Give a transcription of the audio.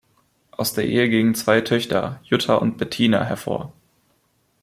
Aus der Ehe gingen zwei Töchter, Jutta und Bettina, hervor.